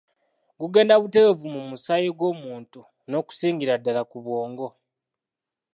Gugenda butereevu mu musaayi gw'omuntu n'okusingira ddala ku bwongo.